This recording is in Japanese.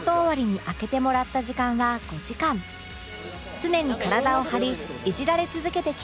常に体を張りイジられ続けてきた男